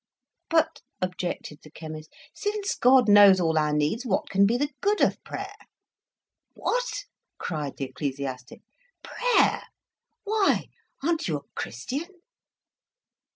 "But," objected the chemist, "since God knows all our needs, what can be the good of prayer?" "What!" cried the ecclesiastic, "prayer! Why, aren't you a Christian?"